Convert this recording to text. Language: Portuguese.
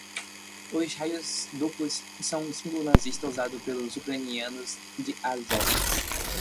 Os raios duplos são um símbolo nazista usado pelos ucranianos de Azov